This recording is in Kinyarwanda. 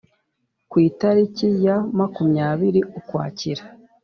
ku itariki ya makumyabiri ukwakira